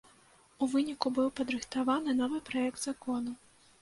У выніку быў падрыхтаваны новы праект закону.